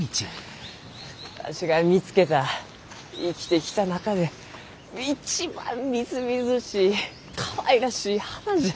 わしが見つけた生きてきた中で一番みずみずしいかわいらしい花じゃ。